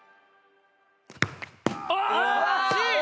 惜しい！